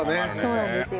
そうなんですよ。